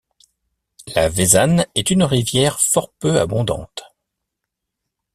La Vézanne est une rivière fort peu abondante.